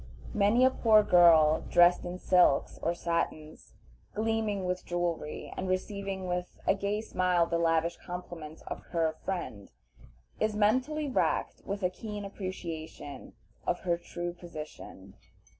Many a poor girl dressed in silks or satins, gleaming with jewelry, and receiving with a gay smile the lavish compliments of her "friend," is mentally racked with a keen appreciation of her true position.